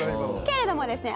けれどもですね